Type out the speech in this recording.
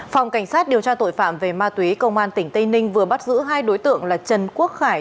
phòng cảnh sát điều tra tội phạm về ma túy công an tỉnh tây ninh vừa bắt giữ hai đối tượng là trần quốc khải